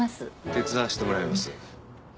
手伝わせてもらいます。